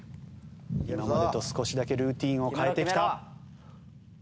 今までと少しだけルーティンを変えてきた。